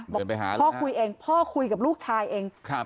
เดินไปหาพ่อคุยเองพ่อคุยกับลูกชายเองครับ